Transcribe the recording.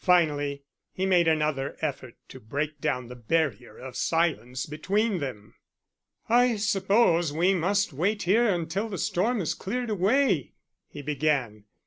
Finally he made another effort to break down the barrier of silence between them. "I suppose we must wait here until the storm has cleared away," he began.